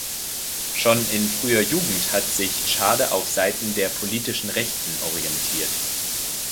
Schon in früher Jugend hat sich Schade auf Seiten der politischen Rechten orientiert.